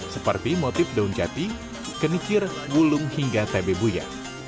seperti motif daun jati kenikir gulung hingga tebe buya